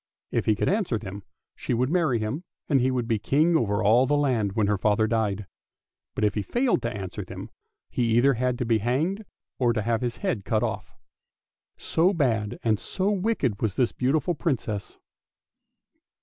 If he could answer them, she would marry him, and he would be king over all the land when her father died; but if he failed to answer them, he either had to be hanged or to have his head cut off. So bad and so wicked was this beautiful Princess.